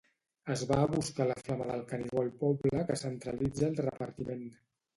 Es va a buscar la flama del Canigó al poble que centralitza el repartiment.